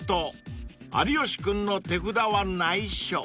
［有吉君の手札は内緒］